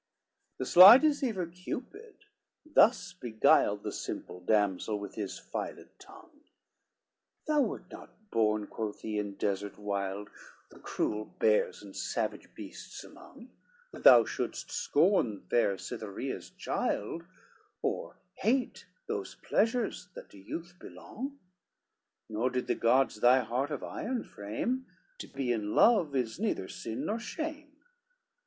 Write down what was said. LXXIII The sly deceiver Cupid thus beguiled The simple damsel, with his filed tongue: "Thou wert not born," quoth he, "in desert wild The cruel bears and savage beasts among, That you shouldest scorn fair Citherea's child, Or hate those pleasures that to youth belong, Nor did the gods thy heart of iron frame; To be in love is neither sin nor shame.